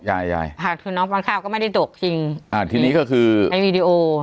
หากคุณน้องฟังข้าวก็ไม่ได้ตกจริงให้วิดีโอ